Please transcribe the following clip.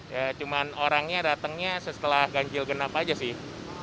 ya cuma orangnya datangnya setelah ganjil genap aja sih